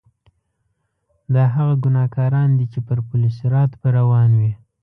دا هغه ګناګاران دي چې پر پل صراط به روان وي.